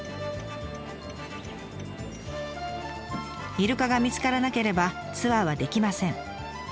イルカが見つからなければツアーはできません。